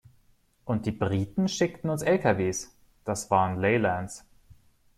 Und die Briten schickten uns Lkws, das waren Leylands.